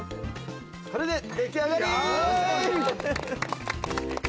これで、でき上がり！